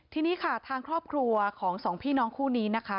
ทีนี้ค่ะทางครอบครัวของสองพี่น้องคู่นี้นะคะ